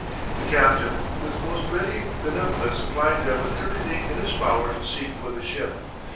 The captain with the most ready benevolence supplied them with everything in his power to seek for the ship.